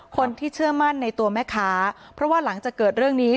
เชื่อมั่นในตัวแม่ค้าเพราะว่าหลังจากเกิดเรื่องนี้